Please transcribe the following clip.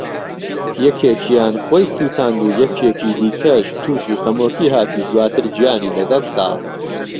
یەکێکیان خۆی سوتاند و یەکێکی دیکەش تووشی خەمۆکی هات و دواتر گیانی لەدەستدا